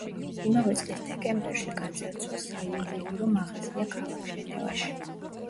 იმავე წლის დეკემბერში გაძარცვა საიუველირო მაღაზია ქალაქ ჟენევაში.